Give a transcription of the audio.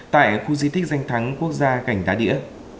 tại khu di tích danh thắng quốc gia cảnh đá đĩa